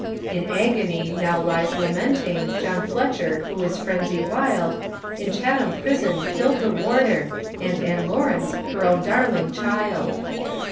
In agony, now lies lamenting, John Fletcher, who is frenzy wild, In Chatham prison killed the warder, And Ann Lawrence her own darling child.